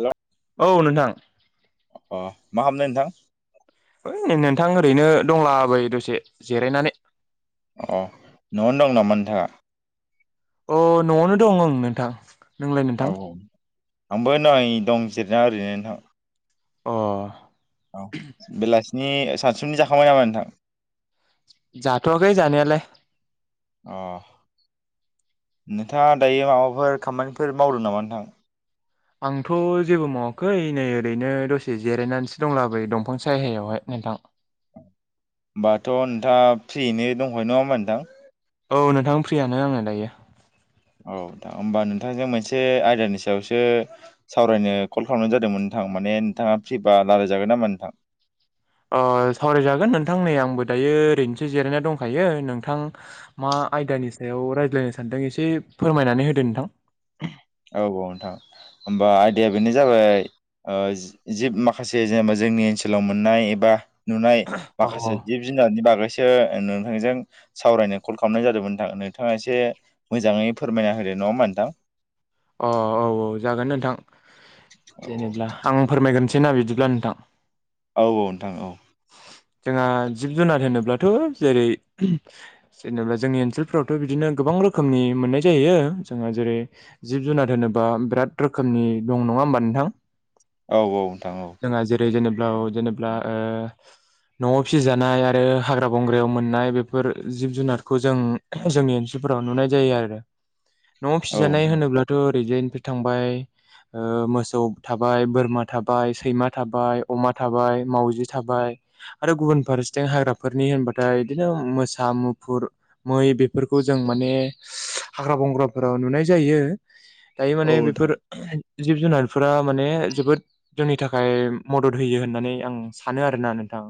हेल' औ नोंथां अ मा खामनाय नोंथां ओइ नोंथां ओरैनो दंलाबो दसे जिरायनानै अ न'आवनो दं नामा नोंथाङा अ न'आवनो दं ओं नोंथां नोंलाय औ नोंथां औ आंबो नै दं जिरना ओरैनो नोंथां अ औ बेलासिनि सानसुनि जाखांबाय नामा नोंथां जाथ'आखै जानाययालाय अ नोंथाङा दायो माबाफोर खामानिफोर मावदों नामा नोंथां आंथ' जेबो मावाखै नै ओरैनो दसे जिरायनानैसो दंला बै दंफां सायहायावहाय नोंथां बाथ' नोंथ औ नोंथां फ्रियानो आङो दायो। औ दा होमबा नोंथांजों मोनसे आयदानि सायाव थां माने नोंथाङा फ्रिबा लारायजागोन नामा नोंथां? अ सावरायजागोन नोंथां नै आंबो दायो ओरैनोसो जिरायना दंखायो नोंथां मा आयदानि सायाव रायज्लायनो सानदों एसे फोरमायनानै होदो नोंथां। औ औ नोंथां होमबा आयदाया बेनो जाबाय अ ज-जि माखासे जेनेबा जोंनि ओनसोलाव मोननाय एबा नुनाय औ माखासे जिब जिनानि बागास ओ नोंथांजों सावरायनो कल खालामनाय जादोंमोनथां नोंथाङा एसे मोजाङै फोरमायना होदों। नङा होनबा नथां? अ औ औ जागोन नोथां औ जेनेबा आं फोरमायगोन थिना बिदिब्ला नोथां। औ नोंथां औ जोंहा जिब जुनार होनोब्लाथ' जेरै जेनेबा जोंनि ओनसोलफ्रावथ' बिदिनो गोबां गोबां रोखोमनि मोननाय जायो जोङो जेरै जिब जुनार होनोबा बिराद रोखोमनि दं नङा होमबा नोंथां? औ औ नोंथां औ। ओ जेनेबा ओ [inaudible] न'आव फिसिजानाय आरो हाग्रा बंग्रायाव मोननाय बेफोर जिब जुनारखौ जों जोंनि ओनसोलफ्राव नुनाय जायो आरो। [inaudible] न'आव फिसिजानाय नोंथां औ नोंथां होनोब्लाथ' ओरैजायनिफ्राय थांबाय। ओ मोसौ थाबाय, बोरमा थाबाय, सैमा थाबाय, अमा थाबाय, मावजि थाबाय, आरो गुबुन फारसथिं हाग्राफोरनि होनबाथाय बिदिनो मोसा, मुफुर, मै बेफोरख खौ जों माने हाग्रा बंग्राफोराव नुनाय जायो दायो औ माने औ बेफोर जिब जुनारफोरा माने जोबोद जोंनि थाखाय मदद होयो होननानै आं सानो आरोना नोंथां।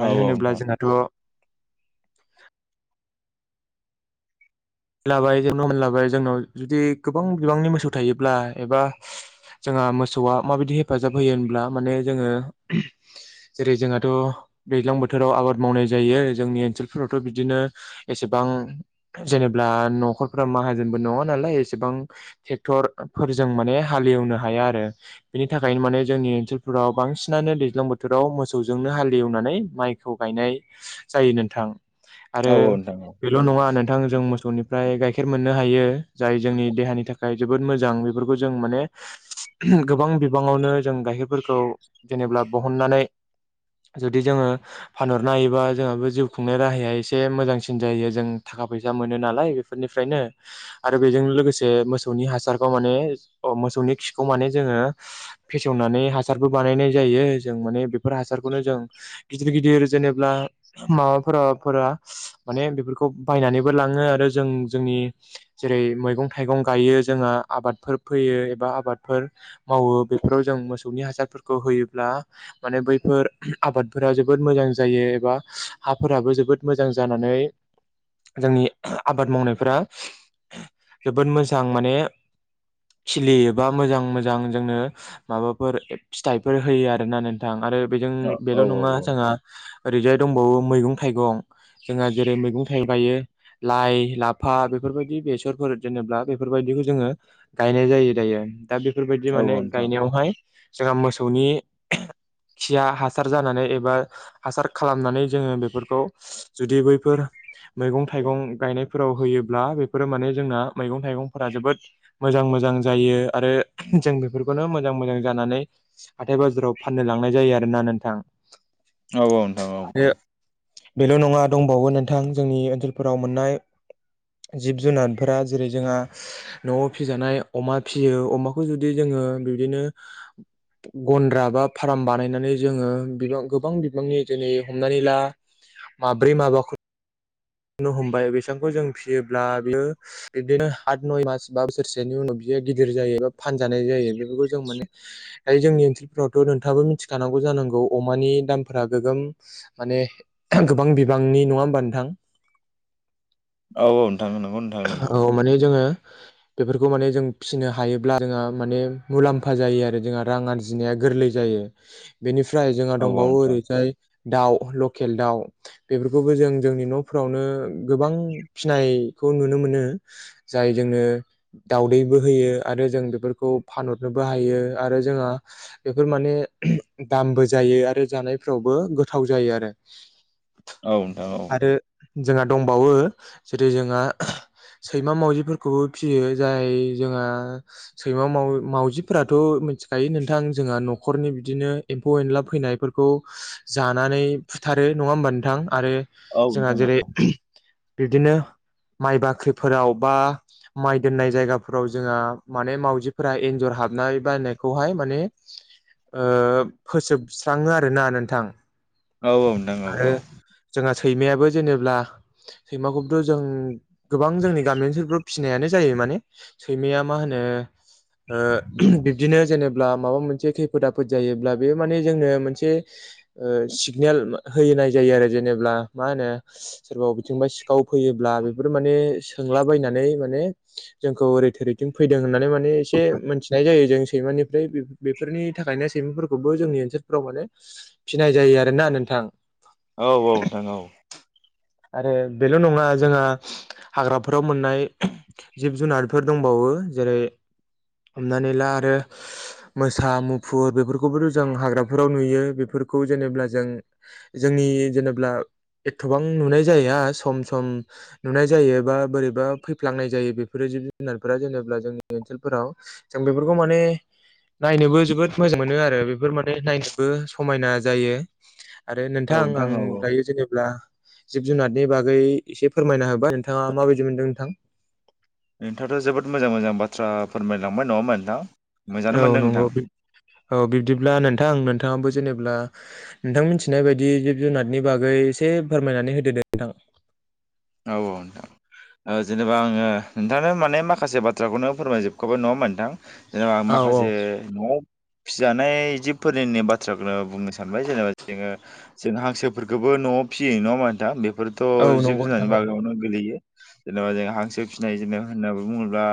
मानो होनोब्ला नोंथां जोंहाथ' लाबाय जेब्ला मोनलाबाय जोंनाव जुदि गोबां बिबांनि मोसौ थायोब्ला एबा जोंहा मोसौआ माबायदि हेफाजाब होयो होनब्ला माने जोङो जेरै जोंहाथ' दैज्लां बोथोराव आबाद मावनाय जायो जोंनि ओनसोलफोरावथ' बिदिनो एसेबा ओं जेनेब ब्ला न'खरफोरा माहाजोनबो नङा नालाय एसेबां ट्रेक्टर फोरजों माने हालेवनो हाय या आरो बेनि थाखायनो माने जोंनि ओनसोलफोराव बांसिनानो दैज्लां बोथोराव मोसौजोंनो हालेवनानै माइखौ गायनाय जायो नोंथां। आरो औ नोंथां औ नोंथां औ नोंथां औ बेल' नङा नोंथां जों मोसौनिफ्राय गाइखेर मोननो हायो। जाय जोंनि देहानि थाखाय जोबोद मोजां बेफोरखौ जों माने गोबां बिबाङावनो जों गाइखेरफोरखौ जेनेब्ला बहननानै जुदि जोङो फानहरनो हायोबा जोंहाबो जिउ खुंनाय राहाया एसे मोजांसिन जायो जों खा फैसा मोन नो नालाय बेफोरनिफ्रायनो आरो बेजोंनो लोगोसे मोसौनि हासारखौ माने अ मोसौनि खि खौ माने जोङो फेसेवनानै हासारबो बानायनाय जायो जों माने बेब फोर हासारखौनो जों गिदिर गिदिर जेनेब्ला माबाफोराफोरा माने बेफोरखौ बायनानै बो लाङो आरो जों-जोंनि जेरै मैगं थाइगं गायो जोंहा आबादफोर फोयो एबा बा आबादफोर मावो बेफोराव जों मोसौनि हासारफोरखौ होयोब्ला माने बैफोर आबादफोरा जोबोद मोजां जायो एबा हाफोराबो जोबोद मोजां जानानै [inaudible] जोंनि आबाद मावनायफोरा जोबोद मोजां माने खिलियोबा मोजां मोजां जोंनो माबाफोर फिथाइफोर होयो आरोना नोंथां आरो बेजों बेल' नङा औ जोंहा ओरैजाय दंबावो मैगं थाइगं जोंहा जेरै मैगं थाइगं लाइ लाफा बेफोरबायदि बेसरफोर जेनेब्ला बेफोरबायदिखौ जोङो गायनाय जायो दायो दा बेफोरबायदि माने गायनायावहाय जोंहा मोसौनि खिया हासार जानानै एबा हासार खालामनानै जोङो बेफोरखौ जुदि बैफोर मैगं थाइगं गायनायफोराव होयोब्ला बेफोरो माने जोंना मैगं थाइगंफोरा जोबोद मोजां मोजां जायो आरो जों बेफोरखौनो मोजां मोजां जानानै हाथाय बाजाराव फाननो लांनाय जायो आरो ना नोंथां। औ औ नोंथां औ आरो औ बेल' नङा दंबावो नोंथां जोंनि ओनसोलफोराव मोननाय जिब जुनारफोरा जेरै जोंहा न'आव फिजानाय अमा फियो अमाखौ जुदि जोङो बिबदिनो गन्द्रा बा फार्म बानायनानै जोङो बिबां गोबां बिबांनि दिनै हमनानै ला माब्रै माबाखौ बुंनो हमबाय बेसबांखौ जों फिसियोब्ला बियो बिदिनो आत नय मास बा बोसोरसेनि उनाव बियो गिदिर जायोबा फानजानाय जायो बेफोरखौ जों माने जोंनि ओनसोलफ्रावथ' नोंथाङाबो मिथिखानांगौ जानांगौ अमानि दामफोरा गोगोम माने गोबां बिबांनि नङा होमबा नोंथां? औ औ नोंथां नोंगौ नोंथां औ माने जोङो [inaudible] बेफोरखौ माने जों फिसिनो हायोब्ला जोंहा माने मुलाम्फा जायो आरो जोंहा रां आरजिनाया गोरलै जायो। बेनिफ्राय जोंहा औ औ दंबावो नोंथां ओरैजाय दाउ लकेल दाउ बेफोरखौबो जों जोंनि न'फोरावनो गोबां फिनाय खौ नुनो मोनो जाय जोंनो दाउदैबो होयो आरो जों बेफोरखौ फानहरनो हायो आरो जोंहा बेफोर माने दामबो जायो आरो जानायफ्रावबो गोथाव जायो आरो औ नोंथां औ आरो जोंहा दंबावो जेरै जोंहा [inaudible] सैमा मावजिफोरखौबो फिसियो जाय जोंहा सैमा मावजिफोराथ' थिख नोंथां जोंहा न'खरनि बिदिनो एम्फौ एनला फैनायफोरखौ जानानै फुथार आरो नङा होमबा नोंथां आरो औ नोंथां औ जोंहा जेरै बिब्दिनो माइ बाख्रिफोराव बा माइ दोननाय जायगाफोराव जोंहा माने मावजिफोरा एन्जर हाबनो नायखौहाय माने फोसोबस्राङो आरोना नोंथां। औ औ नोंथां औ आरो औ जोंहा सैमायाबो जेनेबा सैमाखौथ' जों गोबां जोंनि गामि ओनसोलफोराव फिसिनायानो जायो माने सैमाया मा होनो बिब्दिनो जेनेबा माबा मोनसे खैफोद आफोद जायोबा बे माने जोंनो मोनसे होननाय जायो आरो जेनेबा मा होनो सोरबा अबेथिंबा सिखाव फैयोब्ला बे माने सोंलाबायनानै माने जोंखौ ओरै थरैथिं फै- होननानै माने एसे मिथिनाय जायो जों सैमानिफ्राय बेफोरनि थाखायनो सैमाफोरखौबो जोंनि ओनसोलफोराव माने फिनाय जायो आरोना नोंथां। औ औ नोंथां औ। आरो बेल' नङा जोंहा हाग्राफोराव मोननाय जिब जुनारफोर दंबावो जेरै हमनानै ला आरो मोसा मुफुर बेफोरखौबोथ' जों हाग्राफोराव नुयो बेफोरखौ जेनेबा जों जोंनि जेनेब्ला एथबां नुनाय जाया सम सम नुनाय जायो बा बोरैबा फैफ्लांनाय जायो बेफोरो जिब जुनारफोरा जेनेब्ला जोंनि ओनसोलफोराव बेफोरखौ माने नायनोबो जोबोद मोजां मोनो आरो बेफोर माने नायनोबो समायना जायो आरो औ नोंथां आं औ औ दायो जेनेबा जिब जुनारनि बागै एसे फोरमायना होबाय बा नोंथाङा माबायदि मोनदों नोंथां नोंथांयाथ' जोबोद मोजां मोजां बाथ्रा फोरमायलांबाय नङा होनबा नोंथां मोजाङानो औ मोनदों नंगौ नोंथां औ बिब्दिब्ला नोंथां नोंथां नोंथाङाबो जेनेबा नोंथां मिथिनाय बायदि जिब जुनादनि बागै एसे फोरमायनानै होदो दे नोंथां औ ओ नोंथां ओ जेनेबा आङो नोंथांनो माने माखासे बाथ्राखौनो फोरमायजोबखाबाय नङा होनबा नोंथां जेनेबा औ औ माखासे न'आव फिजानाय जिबफोरनि बाथ्राखौनो बुंनो सानबाय जेनेबा जोङो जों हांसोफोरखौबो न'आव फियो नङा नोंथां बेफोरथ' औ जिब नंगौ नोंथां जुनारनि औ माबायावनो गोलैयो लैथो जेनेबा जों हांसो फिसिनाय जेनेबा होननानै बुङोब्ला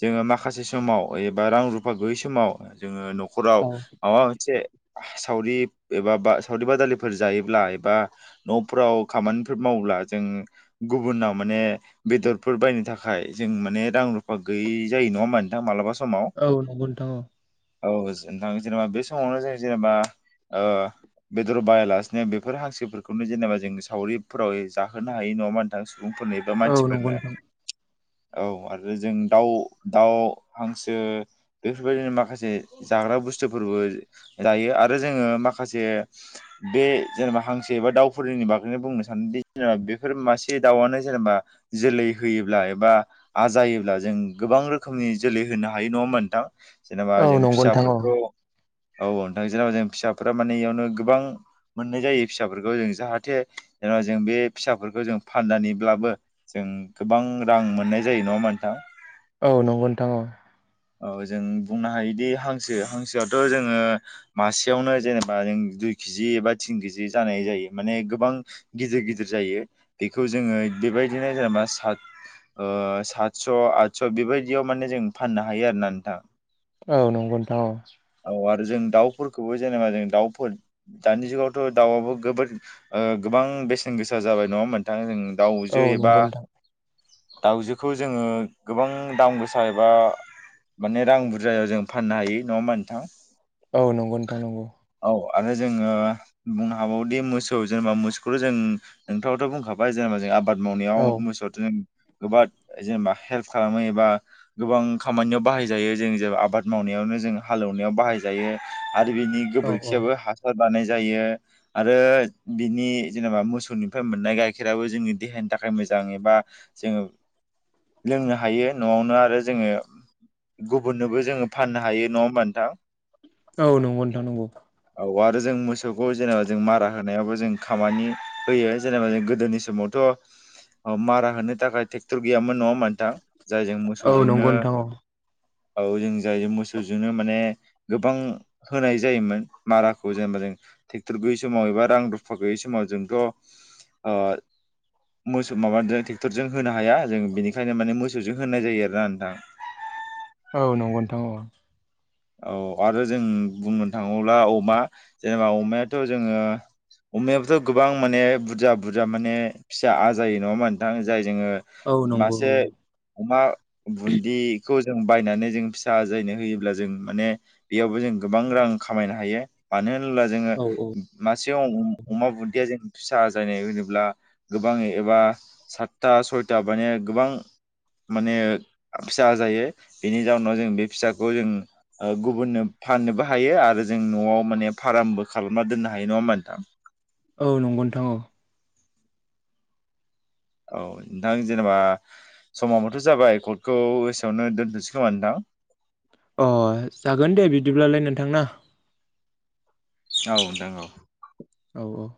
जोङो माखासे समाव बा रां रुफा गैयै समाव जोङो न'खराव औ माबा मोनसे सावरि एबा सावरि बादालिफोर जायोब्ला एबा न'फ्राव खामानिफोर मावोब्ला जों गुबुनाव माने बेदरफोर बायनो थाखाय जों माने रां रुफा गैयै जायो नङा होनबा नोंथां माबाला सम औ नंगौ नोंथां औ औ नोंथां जेनेबा बे समावनो जों जेनेबा ओ बेदर बायालासिनो बेफोर हांसोफोरखौनो जेनेबा जों सावरिफोराव जाहो जाहोनो हायो नङा होनबा नोंथां सुबुंफोरनो बा औ नंगौ मानसिफोरनो नोंथां औ आरो जों दाउ दाउ हांसो बेफोरबायदिनो माखासे जाग्रा बा बस्टुफोरबो जायो आरो जोङो माखासे जेनेबा हांसो एबा दाउ फोरनि बागैनो बुंनो सानोदि जेनेबा बेफोर मासे दाउआनो जेनेबा जोलै होयोब्ला एबा आजायोब्ला जों गोब गोबां रोखोमनि जोलै होनो हायो नङा होनबा नोंथां जेनेबा औ जों नंगौ नोंथां औ फिसाफोरखौ औ औ नोंथां जेनावबा जों फिसाफोरा माने इयावनो गोबां मोननाय जायो फिसाफोरखौ जों जाहाथे जेनबा जों बे फिसाफोरखौ जों फाननानैब्लाबो जों गोबां रां मोननाय जायो नङा होनबा नोंथां औ नंगौ नोंथां औ औ जों बुंनो हायोदि हांसो हांसोआथ' जोङो मासेयावनो जेनेबा जों दुइ केजि एबा तिन केजि जानाय जायो माने गोबां गिदिर गिदिर जायो बेखौ जोङो बेबायदिनो जेनेबा सात ओ सातस' आतस बेबायदियाव माने जों फाननो हायो आरो ना नोंथां औ नंगौ नोंथां औ औ आरो जों दाउफोरखौबो जेनेबा जों दाउफोर दानि जुगावथ' दाउआबो गोबोद ओ गोबां बेसेन गोसा जाबाय नङा होनबा नोंथां जों औ दाउजो एबा नंगौ नोंथां दाउजोखौ जोङो गोबां दाम गोसा एबा माने रां बुरजायाव जों फाननो हायो नङा होमबा नोंथां औ नंगौ नोंथां नंगौ औ आरो जोङो बुंनो हाबावदि मोसौ जेनेबा मोसौ बेखौ जों नोंथाङावथ' बुंखाबाय जेनेबा जों आबाद मावनायाव औ मोसौ जों गोबाद जेनबा हेल्प खालामो एबा गोबां खामानायाव बाहायजायो आबाद मावनाया नायाव जों हालेवनायाव बाहाय जायो आरो बिनि औ औ गोबोरखियो हासार बानाय जायो आरो बिनि जेनेबा मोसौनिफ्राय मोननाय गाइखेराबो जोंनि देहानि थाखाय मोजां एबा जोङो लोंनो हायो न'आवनो आरो जोङो गुबुननोबो जोङो फाननो हायो नङा होमबा नोंथां औ नंगौ नों थां नंगौ औ आरो जों मोसौखौ जेनेबा जों मारा होनायावबो जों खामानि होयो जेनेबा जों गोदोनि समावथ' मारा होनो थाखाय ट्रेक्टर गैयामोन नङाहोनबा नोंथां जायजों औ मोसौजोंनो नंगौ नोंथां औ औ जों जायो मोसौजोंनो माने गोबां होनाय जायोमोन माराखौ जेनेबा ट्रेक्टर गैयै समाव एबा रां रुफा गैयै समाव जोंथ' मोसौ माबाजों ट्रेक्टरजों होनो हाया जों बेनिखायनो माने मोसौजों होनाय जायो आरोना नोंथां [inaudible] औ नंगौ नोंथां औ औ आरो जों बुंनो थाङोब्ला अमा जेनेबा अमायाथ' जोङो अमायाबोथ' गोबां माने बुरजा बुरजा माने फिसा आजायो नङाहोनबा नोंथां जाय जोङो औ नंगौ मासे औ अमा बुन्दि खौ जों बायनानै जों फिसा आजायनो होयोब्ला जों माने बेयावबो जों गोबां रां खामायनो हायो मानो होनोब्ला जोङो औ औ सिगांआव अमा बुदिया जों फिसा जानाय होनोब्ला गोबाङै एबा सात्ता सयथा सयथा माने गोबां माने फिसा जायो बेनि जाउोनाव जों बे फिसाखौ जों गुबुननो फाननोबो हायो आरो जों न'आव माने फार्मबो खालामना दोननो हायो नङा होमबा नोंथां औ नंगौ नोंथां औ औ नोंथां जेनेबा समाबथ' जाबाय कर्टखौ एसेआवनो दोनथ'नोसै खोमा नोंथां [inaudible] अ जागोन दे बिदिब्लालाय नोंथां ना औ द औ औ औ